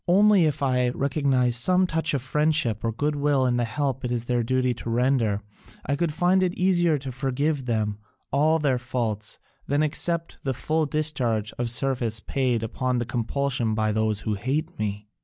Only if I recognise some touch of friendship or goodwill in the help it is their duty to render, I could find it easier to forgive them all their faults than to accept the full discharge of service paid upon compulsion by those who hate me."